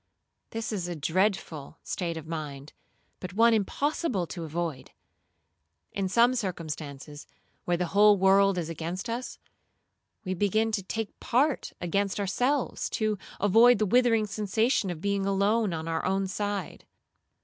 This is a dreadful state of mind, but one impossible to avoid. In some circumstances, where the whole world is against us, we begin to take its part against ourselves, to avoid the withering sensation of being alone on our own side.